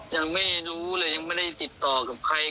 ยังไม่รู้เลยยังไม่ได้ติดต่อกับใคร